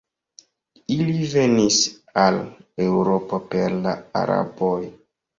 Ili venis al Eŭropo per la Araboj.